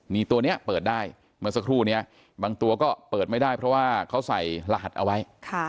มีตัวนี้เปิดได้เมื่อสักครู่นี้บางตัวก็เปิดไม่ได้เพราะว่าเขาใส่รหัสเอาไว้